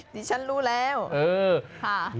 ดิฉันรู้แล้วค่ะ